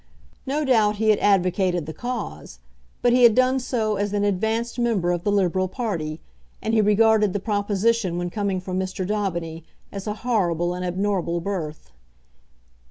No doubt he had advocated the cause, but he had done so as an advanced member of the Liberal party, and he regarded the proposition when coming from Mr. Daubeny as a horrible and abnormal birth.